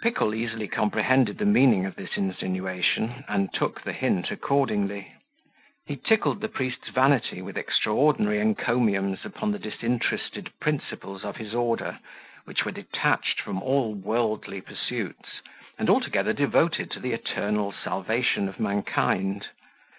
Pickle easily comprehended the meaning of this insinuation, and took the hint accordingly. He tickled the priest's vanity with extraordinary encomiums upon the disinterested principles of his order, which were detached from all worldly pursuits, and altogether devoted to the eternal salvation of mankind.